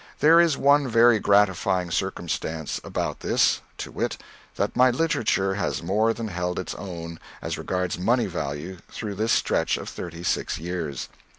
There is one very gratifying circumstance about this, to wit: that my literature has more than held its own as regards money value through this stretch of thirty six years.